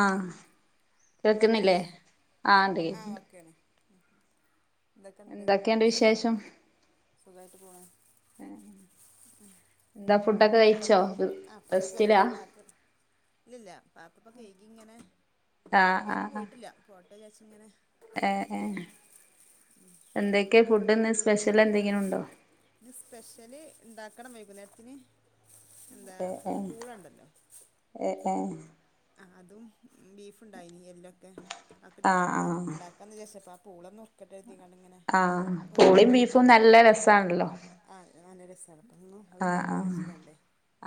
ആഹ് കേക്ക്ന്നില്ലേ കേൾക്കില്ലേ ആഹ് ണ്ട് എന്തൊക്കെണ്ട് എന്തൊക്കെയുണ്ട് വിശേഷം വിശേഷങ്ങളൊക്കെ സുഖായിട്ട് പോണ് എന്താ ഫുഡൊക്കെ ഉം ഫുഡൊ കഴിച്ചോ ആഹ് ഫുഡൊക്കെ റെസ്റ്റിലാ കഴിച്ച് പാത്ര ഇല്ലല്ല പാത്ര ഇപ്പൊ കയ്കി ഇങ്ങനെ ആഹ് അടുക്കളേന്ന് ആഹ് ആഹ് പോയിട്ടില്ല. പോട്ടെചാരിച്ച്ങ്ങനെ ഏഹ് ഏഹ് എന്തെക്കെ ഫുഡ് ഇന്ന് സ്പെഷ്യല് എന്തെങ്കിലുണ്ടോ ഇന്ന് സ്പെഷ്യല് ഇണ്ടാക്കണം വൈകുന്നേരത്തിന് എന്താ ഏഹ് ഏഹ് പൂളണ്ടല്ലോ ഏഹ് ഏഹ് ആഹ് അതും ബീഫ്ണ്ടായിനി എല്ലൊക്കെ അഒക്കെ ആഹ് ഇട്ട്ക്കാണ്ട് ആഹ് ഇണ്ടാ ക്കാന്ന് വിയാരിച്ചപ്പൊ ആ പൂള നുർക്കട്ടെര്തീങ്ങാണ്ട് ഇങ്ങനെ ആഹ് പൂളീം ബീഫും നുർക്കിയോണ്ടിരിക്കേന് നല്ല രസാണല്ലോ ആഹ് നല്ല രസാണ്. അപ്പന്നു അഹ് ഇണ്ടാക്കാ ആഹ് വിചാരിച്ച്ങ്ങാണ്ടേ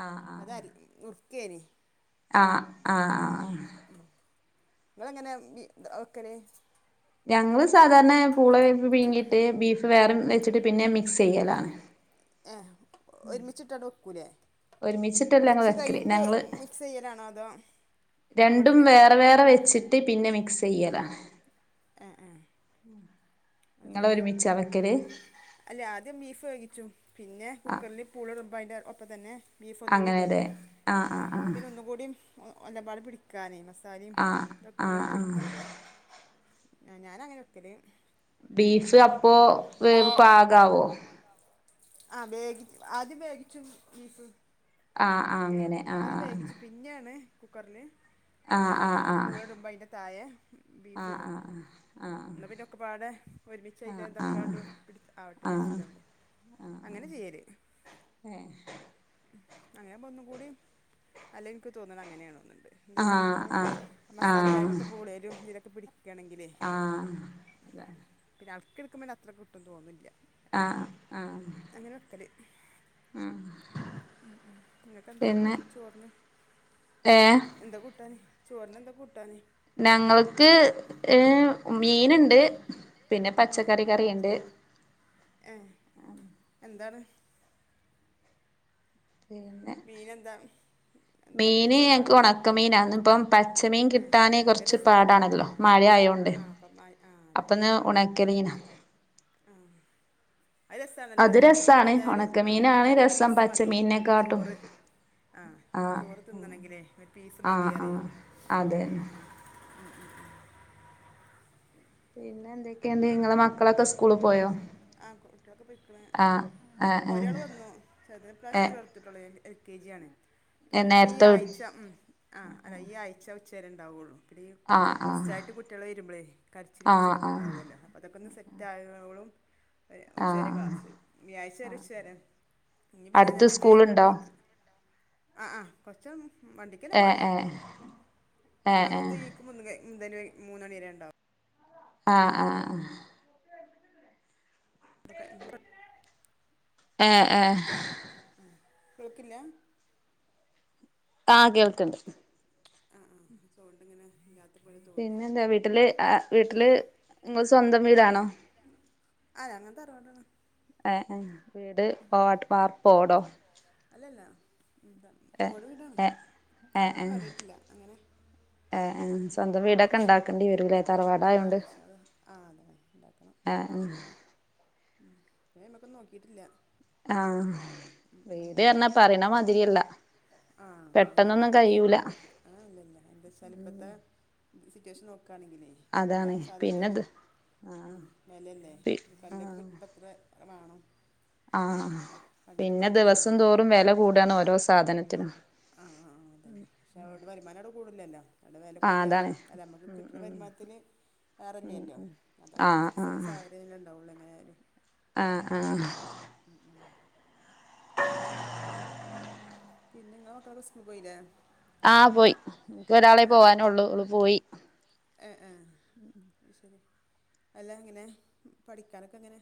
ആഹ് ആഹ് അപ്പ ആഹ് അതരി നുറുക്കേന് ആഹ് ആഹ് ആഹ് ഇങ്ങളെങ്ങനെ ബി വെക്കല് ഞങ്ങള് സാധാരണെ പൂള പീങ്ങീട്ട് ബീഫ് വേറേം വെച്ച്ട്ട് പിന്നെ മിക്സിയ്യലാണ് ഏഹ് ഒരുമിച്ചിട്ടട് വെക്കൂലേ ഒരുമിച്ചിട്ടല്ല ഞങ്ങള് വെച്ച് വെക്കല് കൈഞ്ഞ്ട്ട് ഞങ്ങള് മിക്സിയ്യലാണോ അതോ നമ്മൾ പിന്നെ കു പൂ ട്ടി പിന്നെ മിക്സെയ്യലാണ് എഹ് ഏഹ് ഇങ്ങള് ഒരുമിച്ച വെക്കല് അല്ല ആദ്യം ബീഫ് വേകിച്ചും. പിന്നെ ആ കുക്കർല് പൂള ഇട്മ്പൊ അയിന്റെ ഒപ്പം തന്നെ ബീഫ് ഒന്നൂടി ഇടും. അങ്ങനെല്ലേ ആ ആ ആഹ് ന്നട്ട് പിന്നെ ഒന്നുംകൂടിം ഒ എല്ലാം പാടെ പിടിക്കാനെ. മസാലീം ആ ആ ഇതൊക്കെ ആ ഒന്നും കൂടി ആ പിടിക്കൂലേ ആഹ് ഞാനങ്ങനെക്കല് ബീഫ് അപ്പോ വേവ് പാകാവോ ആഹ് വേകി ആദ്യം വേകിച്ചും ബീഫ് ആഹ് ആഹ് അങ്ങനെ ആ ആദ്യം വേകിച്ച് പിന്നേണ് കുക്കർല് ആ പിന്നെ ആ ആ ആ പൂള ഇടുമ്പൊ അയിൻ്റെ തായെ ആ ബീഫ് ഇടും. ആ ആ ആ ഇന്ന പിന്നെ ഒക്കപ്പാടെ ഒരുമിച്ച് അയിന്റെ ആ ആ ഇതൊക്കാണ്ട് പിടിച്ച് ആവട്ടേ ആ ആ വിചാരിച്ച്ങ്ങാണ്ട് അങ്ങനെ ചിയ്യല് ഏഹ് ഉം അങ്ങനെയാവുമ്പൊ ഒന്നും കൂടീം അല്ല ഇൻക്ക് തോന്നണ് അങ്ങനേണോന്ന്ണ്ട്. എന്താച്ചാ അങ്ങനെ ആവുമ്പൊ ആ മസാലീം കാര്യങ്ങളൊക്കെ പൂളേലും ഇതിലൊക്കെ പിടി ക്ക്യാണെങ്കിലേ ആ പിന്നെ അളക്കിട്ക്കുമ്പൊ ന്നെ അത്ര കിട്ടും തോന്നില്ല ആഹ് ആഹ് അങ്ങനെ വെക്കല് ഉം ഉം ഇങ്ങക്കെന്താ പിന്നെ ചോർന് ഏ എന്താ കൂട്ടാന് ചോർന് എന്താ കൂട്ടാന് ഞങ്ങൾക്ക് ഏഹ് മീന്ണ്ട് പിന്നെ പച്ചക്കറി കറി യിണ്ട് ഏഹ് എന്താണ് പിന്നെ മീനെന്താ മീന് വറ്റിച്ചതോ ഞങ്ങക്ക് അതോ ഒണക്കമീനാ ഇന്ന്പ്പം പച്ചമീൻ ഏ കിട്ടീ കിട്ടാന് ഉണക്ക കൊറച്ച് രസാണല്ലോ പാടാണല്ലോ. മഴ ആയോണ്ട്. ആ അപ്പം ആ ആ അപ്പന്ന് ഉണക്കമീനാ ആഹ് അഹ് അത് രസാണല്ലോറിയെയ്. രസാണ് അതെന്താ ഒര് ഉം ഉണക്കമീനാണ് ചെറിയൊരു രസം പീസ് മതി ഞമുക്ക് പച്ചമീനിനെക്കാട്ടും ചോറ് ആഹ് മ്മക്ക് ചോറ് തിന്നണെങ്കിലേ ഒരു പീസ് മതി അറിയയ്‌ അതെന്നെ ഉം ഉം ഉം പിന്നെ എന്തൊക്കെണ്ട് ഇങ്ങളെ മക്കളൊക്കെ സ്‌കൂ ആഹ് കുട്ടിയാളൊക്കെ പെയ്ക്ക്ണ്. ആഹ് ഒരാള് വന്നു. ചെറ്തിനെ ഇപ്രാശ്യം ചേർത്ത് ഏഹ് ചേർത്ത്ട്ടൊള്ളെയ് എൽ കെ ജി ആണ്. ഇപ്പൊ ഒര് പ്പോ ഈ നേരത്തെ വി ആയ്ച ഉം ആഹ് അല്ല ഈ ആഴ്ച ഉച്ചേരെ ഉണ്ടാവൊള്ളൂ. ഇപ്പ ദ് ഈ ആഹ് ആഹ് ഫസ്റ്റ്റ്റായിട്ട് കുട്ട്യാൾ വരുമ്പോളേയ് കരച്ചിലും ആഹ് പിട്ചിലൊക്കെ ആഹ് ഉണ്ടാവോല്ലൊ അപ്പ അതൊക്കെ ഒന്ന് സെറ്റാവാ സെറ്റാവോള്ളം ഏഹ് ഉച്ച വരെ ആഹ് ക്ലാസ്സ് വ്യാഴാഴ്ച വരെ ഉച്ച വരെ. ഞ്ഞി പിന്നെ അടുത്ത് നെക്സ്റ്റ് സ്കൂളുണ്ടോ വീക്ക് അടുത്ത് സ്കൂൾ ഉണ്ടോ ആഹ് ആഹ് കൊറ്ച്ചൊന്ന്. വണ്ടിക്കനെ ഏ പോവല് ഏ ഏഹ് ഏ ഏ അടുത്ത വീക്ക് മുന്ന്ണ് മൂന്നണിരെ മൂന്നണി വരെ ണ്ടാവും. ആഹ് ആഹ് ആഹ് പ്പോ കഴിഞ്ഞോ ഏഹ് ഏഹ് ഏഹ് ആഹ് കേക്ക്ല്ല ആഹ് കേൾക്ക്ണ്ട്. ആഹ് ആഹ് സൗണ്ടിങ്ങനെ ഇല്ലാതോണ്ട് പിന്നെ ന്താ വീട്ടില് ആഹ് വീട്ടില് ങ്ങള് സ്വന്തം വീടാണോ? ആഹ് ഞങ്ങൾ തറവാടാണ്. ഏഹ് ഏഹ് വീട് വാർപ്പോ ഓടോ? അല്ലല്ല ന്ത ഏ ഓട് വീടാണ്. ഏ ഒന്നും കാര്യയ്ട്ടില്ല അങ്ങനെ. ഏഹ് ഏഹ് സ്വന്തം വീടൊക്കെ ഇൻഷാ ഇണ്ടാക്കണ്ടി വരൂ ല്ലേ ആ തറവാടായൊണ്ട്. ഇൻഷാ അല്ലാഹ് ആ അതെ ഉണ്ടാക്കണം ആഹ് ഏഹ് ഇൻഷാ അല്ലാഹ് ഉം ഇപ്പോ അയ്മക്കും നോക്കിറ്റില്ല. ആഹ്. വീട് റ്ഞ്ഞാ പറിണ മാതിരിയല്ല പെട്ടെന്നൊന്നും കയൂല. ആഹ ഇല്ലല്ല എന്താച്ചാൽ ഇപ്പത്തെ സിറ്റുവേഷൻ നോക്കണെങ്കിലേ. എല്ലാ അതാണ് പിന്നെത് സാധനത്തിനും ആ ഉം വെലല്ലേ പി ഇഞ്ഞി കല്ലൊക്കെ ആ കിട്ടുമ്പത്ര. കായ് മാണം. ആഹ് പിന്നെ ദിവസം മാതിരിയല്ലല്ലോ തോറും വില കൂടാണ് ഓരോ സാധനത്തിനും. ആഹ് ആഹ് ആഹ് അതന്നെ പക്ഷേ അഹോണ്ട് വെര്മാനം അവ്ടെ കൂട്ണില്ലല്ലോ. അവ്ടെ വില ആഹ് അതാണ് കൂടിയാലും അല്ല അമ്മക്ക് കിട്ടണ വരുമാനത്തിന്. ഉം ഏറല്യല്ലോ ഉം അതൊക്കെ ആഹ് ഫിക്സ്ഡ് ആഹ് സാലറിയല്ലേ ഉണ്ടാവുള്ളൂ എങ്ങനെ ആയാലും. ആഹ് ആഹ്. ഉം ഉം പിന്നെ ങ്ങളെ മക്കളൊക്കെ സ്കൂള്ക്ക് പോയില്ലേ? ആഹ് പോയി ഇൻക്ക് ഒരാളെ പോവാനൊള്ളു ഓള് പോയി. ഏഹ് ഏഹ് ആഹ് ശെരി അല്ല എങ്ങനെ പഠിക്കാനൊക്കെ എങ്ങനെ?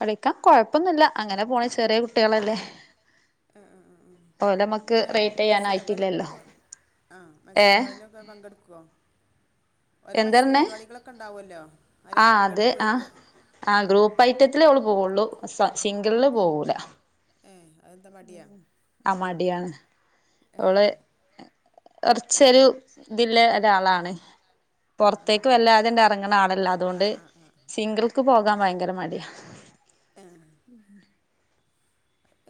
പഠിക്കാന് കുഴപ്പൊന്നില്ല അങ്ങനെ പോണ് ചെറിയ കുട്ടി ആ ആ ആ ഓലെ നമ്മക്ക് ഇങ്ങനെ റേറ്റ് മത്സര പരുവാ ചെയ്യാനായിട്ടില്ലല്ലോ ക്ക. ആ മത്സര ഏഹ് പരുവാടി ലൊക്ക പങ്കെടുക്കോ ഓരോ മത്സര എന്താർഞ്ഞേ പരിപാടികളൊക്കെണ്ടാവുല്ലോ അയിലൊക്കെ ആഹ് അത് പങ്കെടുക്കോയിക്ക. ആഹ് ആഹ് ഗ്രൂപ്പ് ഐറ്റത്തില് ഓള് പോവുള്ളു സിംഗിൾല് പോകൂല. ഏ അതെന്താ മടിയാ ആ മടിയാണ്. എ ഹേ. കൊർച്ചൊരു ഇതിള്ള ഒരാളാണ്. ആഹ് ആഹ് പൊർത്തേക്ക് ആഹ് വല്ലാതണ്ട് എറങ്ങണ ആളല്ല അതോണ്ട് ആളല്ല സിംഗിൾക്ക് പോകാൻ ഭയങ്കര മടിയാ. ഏഹ്.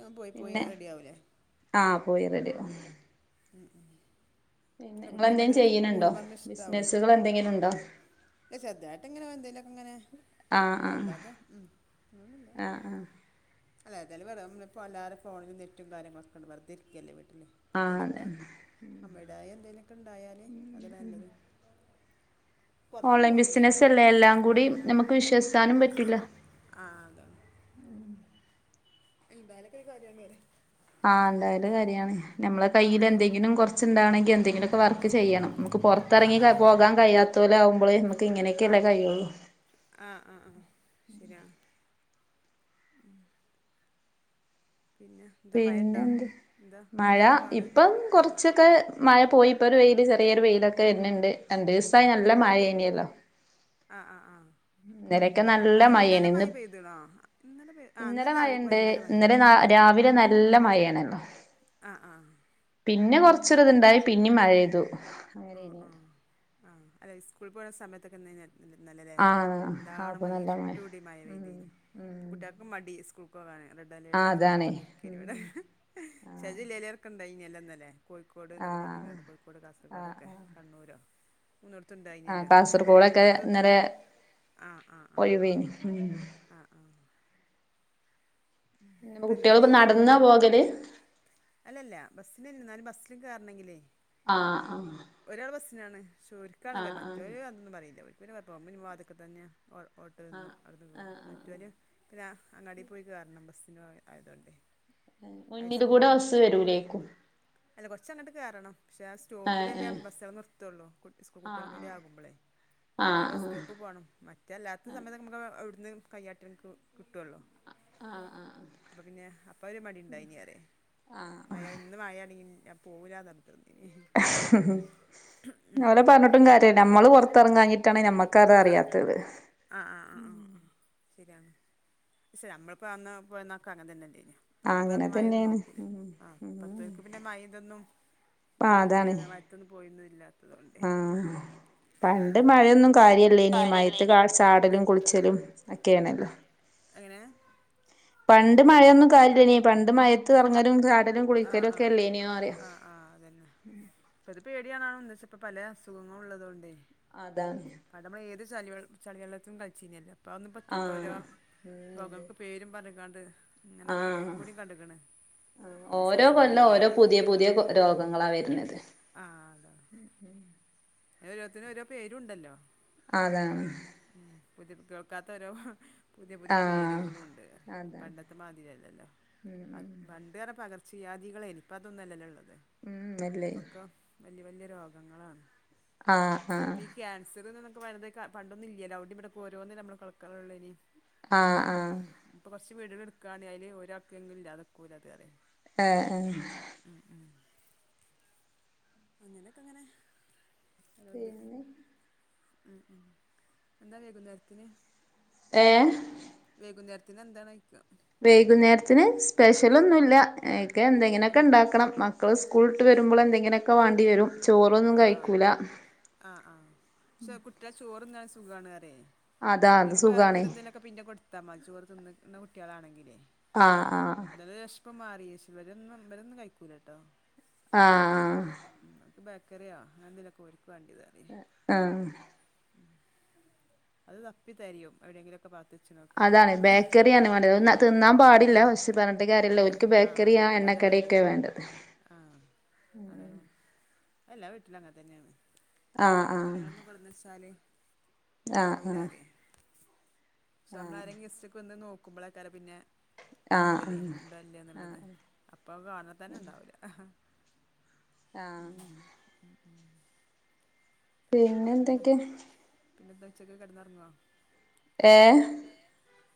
അ പോയി പോയി പിന്നെ റെഡി യാവൂല്ലേ. ആഹ് പോയി റെഡിയാവും. ഉം ഉം പിന്നെ അല്ല കുട്ട്യേക്ക് ഇങ്ങളെന്തേലും അങ്ങനൊക്കെ ചെയ്യണുണ്ടോ കൂടുമ്പങ് ഇഷ്ടാവേ ബിസിനസ്സുകൾ എന്തെങ്കിലും ഉണ്ടോ ഏ ചെർതായിട്ട് ഇങ്ങനെ എന്തേലൊക്കിങ്ങനെ ആഹ് ആഹ് ഒള്ളല്ലാതെ ഒന്നുല്ല. ആഹ് ആഹ് അല്ല ഏതേലും വെരാ നമ്മ ഇപ്പോ എല്ലാരും ഫോണിലും നെറ്റും കാര്യങ്ങളെക്കെണ്ട് വെറുതെരിക്കല്ലേ വീട്ടില്. പ്പ ആഹ് അതന്നെ എന്തേലൊക്കെ അമ്മേടെയായ എന്തേലൊക്കെ ഇണ്ടായാല് അതല്ലേ നല്ലത്. പുറത്തൊന്നും ഓൺലൈൻ പോലില്ല കേട്ടോ ബിസിനസ്സ് അല്ലേ എല്ലാം കൂടി നമുക്ക് വിശ്വസിക്കാനും പറ്റൂല. ആഹ് അതെ ഉം എന്തായാലൊക്കെ ഒരു കാര്യാണ് ആ എന്തായാലും കാര്യാണ് നമ്മള ആ ആ കയ്യിലെന്തെങ്കിലും കുറച്ചുണ്ടാവണെങ്കി എന്തെങ്കിലൊക്കെ വർക്ക് ചെയ്യണം നമുക്ക് ആ പൊറത്തെറങ്ങി ആ ആ പോകാൻ കഴിയാത്തോലാവുംമ്പള് നമുക്ക് ഇങ്ങനെയൊക്കെല്ലേ കഴിയുള്ളൂ ആഹ് ആ ആ ശരിയാണ് പിന്നാ പിന്നെന്ത് മഴ പാട് ഇപ്പം കൊറ ച്ചൊക്ക മഴ പോയി ഇപ്പൊ ഒരു വെയില് ചെറിയൊരു വെയിലൊക്കെ വെര്ന്ന്ണ്ട് രണ്ടീസായി നല്ല മഴയേനില്ലോ അ അ ആഹ് ഇന്നലൊക്കെ നല്ല മഴയാണ് ഇന്ന് പെയ്തണോ ഇന്നലെ പെയ് ആ ഇന്നലെ രാവിലെയൊക്കെ മഴേണ്ട് ഭയങ്കര ഇന്നലെ ന മഴേനിട്ടോ രാവിലെ നല്ല മഴയാണല്ലോ അ ആഹ് പിന്നെ കൊറച്ചൊരു ഇത്ണ്ടായി പിന്നേം മഴയ്യ്തു ആ ആ ആ അല്ലെ സ്കൂൾ പോയ സമയത്തൊക്കെന്നയ്ഞ്ഞ ന്നലല്ലേ ആഹ് എന്താണ് അപ്പൊ മഴ നല്ല ഇര്ട്ട് മൂടി ഉം മഴവേതീനി ഇപ്പ ഉം കുട്ടി മടി സ്കൂൾക്കോവാന് റെഡ് ആഹ് അലർട്ടാണന്നൊക്കെ അതാണേ പറഞ്ഞിരി ക്കേനിവിടെ ഉം ചെലജില്ലലേർക്കുണ്ടേയ്ന്യല്ലൊ ഇന്നലെ കോഴിക്കോ ക്കോട് ന്നക്ക ആഹ് പറഞ്ഞിങ്ങാണ്ട് കോഴിക്കോട് ആഹ് കാസർകോടൊക്കെ ആഹ് കണ്ണൂരോ ആഹ് മൂന്നടത്തുണ്ടായീന്യല്ലൊ ക്ഷെ കാസർഗോഡൊക്കെ മലപ്പുറത്തൂന്ത ഇന്നലെ ആ ആ ആ ആ ഒഴിവേനി ആ ആഹ് പിന്ന അപ്പം ഇന്ന് കുട്ടിയളിപ്പ വെയിലാണ് നടന്നാ പോകല് അല്ലല്ല ബസ്സിനന്നെ എന്നാലും ബസ്സില് കേറണങ്കില് ആഹ് ഒരാള് ബസ്സിനാണ് ക്ഷെ ഓരിക്കാണ് ഗമ ആഹ് ആഹ് ആഹ് മറ്റോരൊന്നും പറയില്ല ഒരിക്കിന്നെ കൊയപ്പം പോവുംമ്പ വാതിക്ക തന്നെയാ ഓട്ടോ എന്നും അവിട്ന്ന് കേറും ആഹ് മറ്റോന് പിന്നെ അങ്ങാടി പോയി കേറണം ബസ്സിന് ആയതോണ്ടേ മുന്നില് കൂട ബസ്സ് വെരൂലേ അല്ല കൊർച്ചങ്ങട്ട് കേറണം പക്ഷെ ആഹ് സ്റ്റോപ്പിലെല്ലേ ആഹ് ബസ്സേൾ നിർത്തയുള്ളൂ സ്കൂൾ കുട്ടികളും ആഹ് കൂടി ആകുമ്പോളേ അങ്ങനെ ബസ് ആഹ് ആഹ് സ്റ്റോപ്പ് പോണം മ അല്ലാത്ത സമയത്ത് നമുക്ക് അവിടുന്ന് കയ്യാട്ട നിക്ക് കിട്ടുവല്ലോ അപ്പൊ പിന്നെ അപ്പ ഒരു മടിണ്ടായിനറ്യേ മഴ ന്ന് മയാണെങ്കി ഞാൻ പോവൂലാന്നർഞ്ഞു [unintelligible] [inaudible] ഓരെ പറഞ്ഞിട്ടും കാര്യല്ല ഞമ്മള് പുറത്തിറങ്ങാഞിട്ടാണ് ഞമ്മക്കത് അറിയാത്തത് ആഹ് ആഹ് ആഹ് ആഹ് ആഹ് ശരിയാണ് ശെ നമ്മൾ പോയന്ന് പോയന്നൊക്കെ അങ്ങനെ തന്നെ അല്ലെയ്ന്യോ ആഹ് നമ്മളിപ്പ അങ്ങനെ അന്ന് മഴൊന്നും തന്നെയാണ് നോക്കൂലേ ഉം ആഹ് ഉം പത്തോൽക്ക് പിന്നെ മഴ ഇന്തൊന്നും ആഹ് പോയി അങ്ങനെ മയത്തൊന്നും പോയിന്ന ഇല്ലാത്തതൊണ്ടെ ഉം പണ്ട് മഴയൊന്നും കാര്യല്ലേനി മയത്ത് കാൾ ചാടലും കുളിച്ചലും ഒക്കെയേണല്ലോ എങ്ങനെ പണ്ട് മഴയൊന്നും കാര്യല്ലേനി പണ്ട് മഴത്ത് ഇറങ്ങലും ചാടലും ആഹ് കുളിക്കലും ഒക്കെ ആഹ് അല്ല്യേനിയൊന്ന് പറയാ ആഹ് ആഹ് അതന്നെ ഇപ്പ അത് പേടിയാണാണും എന്തച്ച ഇപ്പ പല അസുഖങ്ങൾ ഉള്ളത് കൊണ്ടേ അതാണ് പണ്ട് നമ്മൾ ഏത് ചളിവെ ചളിവെള്ളത്തും കളിച്ചീന്യല്ലോ ഇപ്പ അഒന്നും പറ്റിപ്പോ ഓരോ ആഹ് ഉം രോഗങ്ങൾക്ക് പേരും പറഞ്ങ്ങാണ്ട് ഇങ്ങനെ എപ്പ ആഹ് ഇന്നലീം കൂടി കണ്ടക്കണ് ഓരോ കൊല്ലം ഓരോ പുതിയ പുതിയ രോഗങ്ങളാണ് വരണത് ആഹ് അത് ഓരോത്തിനും ഓരോ പേരുണ്ടല്ലോ അതാണ് പുതിയ കേൾക്കാത്ത ഒരോ പുതിയ പുതിയ ആഹ് പേരുകളും ഉണ്ട് അതാണ് പണ്ടത് ത്തെ മാതിരിഅല്ലല്ലോ പണ്ട് പറഞ്ഞാ പകർച്ച വ്യാധികളെരുന്നു ഇപ്പതൊന്നും അല്ലല്ലോ ഉള്ളത് ഉം അല്ലേ ഇപ്പോക്കെ വല്യ വല്യ രോഗങ്ങളാണ് ആഹ് ആഹ് പ്പോ ഈ ക്യാൻസർന്ന് [unintelligible] പണ്ടൊന്നില്ലല്ലോ അവുടി ഇവിടക്ക ഓരോന്നിന നമ്മള് കളക്കാനള്ളനി ആഹ് ഇപ്പം ആഹ് ഇപ്പൊ കൊറച്ച് വീടുകൾ എടുക്കുകയാണെ അയില് ഒരാൾക്ക് എങ്കിലും ഇല്ലാതൊക്കൂല അത് അത് ആഹ് ആഹ് ഉം ഉം അങ്ങനൊക്കെ അങ്ങനെ അതത് ഏഹ് ഉം ഉം എന്താ വേകുന്നേരത്തിന് ഏഹ് വൈകുന്നേരത്തിന് എന്താണ് ചോദിക്ക വൈകുന്നേരത്തിന് സ്പെഷ്യൽ ഒന്നുല്ല ഐക്ക് എന്തെങ്ങനെയൊക്കെ ഉണ്ടാക്കണം മക്ക ള് സ്കൂളിട്ട് വരുമ്പോൾ എന്തെങ്കിലെയൊക്കെ വാണ്ടി വരും ചോറൊന്നും ആഹ് കഴിക്കൂല ആഹ് ആഹ് ക്ഷേ കുട്ടികൾ ചോറ്ന്നാണ് സുഖം ആണ് പറയെ അതാ അത് നമുക്ക് വേറെ സുഖാണ് [unintelligible] എന്തെലും ഒക്കെ പിന്നെ കൊടുത്താ മതി ചോറ് തിന്നുന്ന കുട്ടികളാണെങ്കിലേ ആഹ് ആഹ് അതത് വെശപ് മാറിയേച് വരും വരന്നും കഴിക്കൂല ട്ടോ ആഹ് മക്ക് ബക്കറിയോ എന്തേലുമൊക്കെ ഒരിക്ക് വേണ്ടത് ആഹ് അത് തപ്പി തെരയും എവിടെങ്കിലൊ ഒക്കെ പാത്തച്ച് നോക്കാൻ അതാണ് പാടില്ല ബേക്കറിയാണ് വേണ്ടത് അത് തിന്നാൻ പാടില്ല ആഹ് പക്ഷെ പറഞ്ഞിട്ട് കാര്യല്ല ആഹ് ഓൽക്ക് ആഹ് ബേക്കറിയാ ഓൽക്കതാ എണ്ണക്കടിയൊക്കെ വേണ്ടത് ആഹ് അതണോ എല്ലാ വീട്ടിലും അങ്ങനെ തന്നെയാണ് ആഹ് ബേക്കറികളൊന്നും ആഹ് കൊടുന്ന് വച്ചാല് ഉണ്ടാവില്ല ആഹ് പറയാ പക്ഷെ നമ്മള് ആഹ് ആരെങ്കിലും ഗസ്റ്റക്ക് വന്ന് നോക്കുമ്പോളാക്കാരം പിന്നെ ആഹ് ആഹ് നോക്കല് ആഹ് ഇണ്ടോ ഇല്ലേ എന്നുള്ളത് അപ്പം അത് കാണാൽ തന്നെ ഇണ്ടാവൂല ആഹ് പിന്നെ പിന്നെന്താ എന്തൊക്കെ പിന്നെന്താ ഉച്ചക്ക് കിടന്നിറങ്ങുവോ ഏഹ്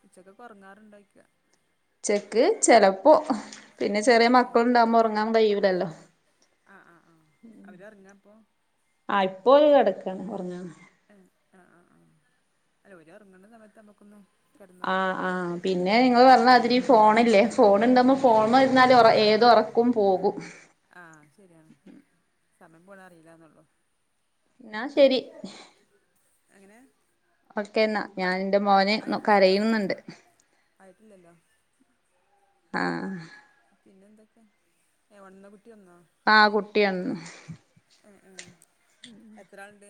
ഉച്ചക്കെ ഉറങ്ങാറുണ്ടോ ചോദിക്കാ ഉച്ചക്ക് ചിലപ്പോ പിന്നെ ചെറിയ മക്കൾ ഉണ്ടാവുമ്പോ ഉറങ്ങാൻ കഴിയൂലല്ലോ ആഹ് ആഹ് ആഹ് അവര് ഉറങ്ങാപ്പോ ആഹ് ഇപ്പോ കിടക്കയാണ് ഉറങ്ങാന് ആഹ് ആഹ് ആഹ് ആഹ് അല്ല ഓല് ഉറങ്ങണ സമയത്ത് നമ്മുക്കൊന്ന് ആഹ് ആഹ് പിന്നെ നിങ്ങള് പറഞ്ഞാ പിന്നെ മാതിരി അപ്പത്ത് ഫോണില്ലേ ഫോൺ ഇണ്ടാവുമ്പോ ഫോണിമ്മല് ഇരുന്നാല് ഏത് ഒറ ക്കും പോകും ആഹ് അത്ശരിയാണ് സമയം പോണത് അറിയില്ല എന്നുള്ളൂ എന്നാ ശരി എങ്ങനെ ഓക്കേ എന്നാ ഞാൻ എന്റെ മോന് കരയുന്നുണ്ട് ആയിട്ടില്ലല്ലോ ആഹ് പിന്നെ എന്തൊക്കെയ ഏഹ് ഒണന്നോ കുട്ടി ഒണന്നോ ആഹ് കുട്ടി ഒണന്ന് ഉം ഉം എത്ര ആളുണ്ട്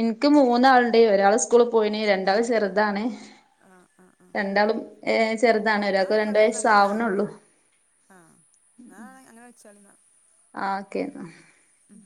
എനിക്ക് മൂന്നാളുണ്ട് ഒരാള് സ്കൂള് പോയിന് രണ്ടാള് ചെറുതാണ് ആഹ് ആഹ് ആഹ് രണ്ടാളും ഏഹ് ചെറുതാണ് ന്നാ ഒരാൾക്ക് രണ്ടു ആയിക്കോട്ടെ വയസ് ന്നാല് ആവണേ ആഹ് ഉള്ളൂ ആഹ് എന്നാ അങ്ങനെ വെച്ചാളി ഇന്നാ ആഹ് ഓക്കെ എന്നാ ഉം